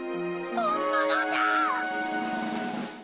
本物だ！